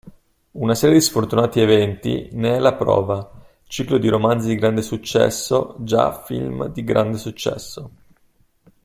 Una serie di sfortunati eventi ne è la prova: ciclo di romanzi di grande successo, già film di grande successo.